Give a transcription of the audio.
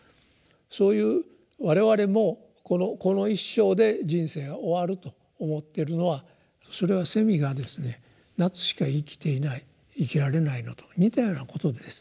そういう我々もこの一生で人生が終わると思ってるのはそれはセミがですね夏しか生きていない生きられないのと似たようなことでですね。